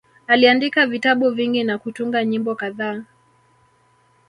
Aliandika vitabu vingi na kutunga nyimbo kadhaa